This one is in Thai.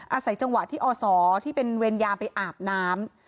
อาศัยจังหวะที่อศที่เป็นเวรยาไปอาบน้ำ